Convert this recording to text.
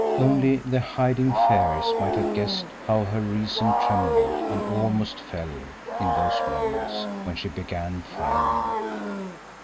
Only the hiding fairies might have guessed how her reason trembled and almost fell in those moments when she began firing.